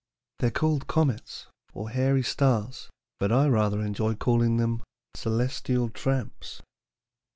"They are called comets, or hairy stars, but I rather enjoy calling them 'celestial tramps.'"